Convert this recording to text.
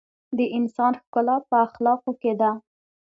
د انسان ښکلا په اخلاقو ده.